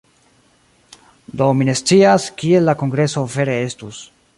Do mi ne scias, kiel la kongreso vere estus.